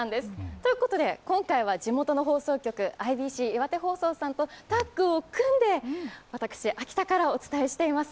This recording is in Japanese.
ということで今回は地元の放送局、ＩＢＣ岩手放送さんとタッグを組んで私、秋田からお伝えしています。